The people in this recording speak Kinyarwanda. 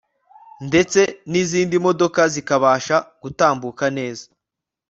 ndetse n'izindi modoka zikabasha gutambuka neza